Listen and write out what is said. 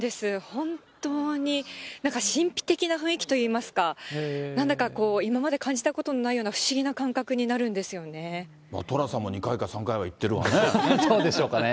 本当になんか神秘的な雰囲気といいますか、なんだか今まで感じたことのないような、不思議な感覚になるんで寅さんも２回か３回は行ってそうでしょうかね。